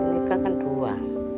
menikah kan dua